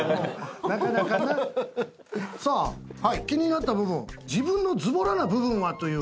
さあ気になった部分自分のズボラな部分は？という。